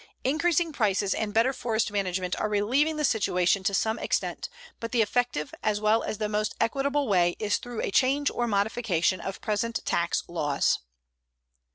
Increasing prices and better forest management are relieving the situation to some extent, but the most effective, as well as the most equitable way, is through a change or modification of present tax laws.